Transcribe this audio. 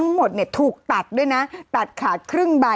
ยังไม่ได้ตอบรับหรือเปล่ายังไม่ได้ตอบรับหรือเปล่า